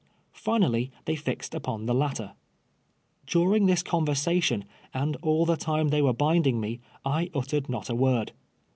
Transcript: Finally they fixed up on the latter. During this conversation, and all tlie time they were binding me, I uttered not a word.